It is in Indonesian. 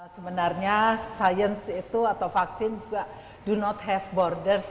sebenarnya sains itu atau vaksin juga do not have borders